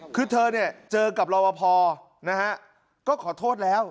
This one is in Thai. คือเธอเนี่ยเจอกับรอปภนะฮะก็ขอโทษแล้ว